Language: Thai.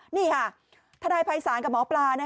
นี่ค่ะทนายภัยศาลกับหมอปลา